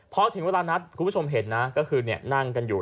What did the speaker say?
พอถึงเวลานัดคุณผู้ชมเห็นนะก็คือนั่งกันอยู่